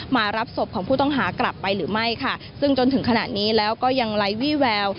มารับศพของผู้ต้องหากลับไปหรือไม่ค่ะซึ่งจนถึงขณะนี้แล้วก็ยังไร้วี่แวว